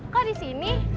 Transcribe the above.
kok di sini